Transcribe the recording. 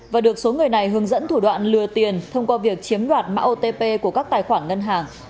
và được số người này hướng dẫn thủ đoạn lừa tiền thông qua việc chiếm đoạt mã otp của các tài khoản ngân hàng